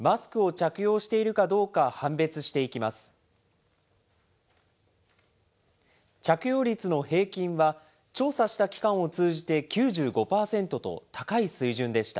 着用率の平均は、調査した機関を通じて９５％と高い水準でした。